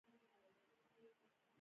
په لغته وهل.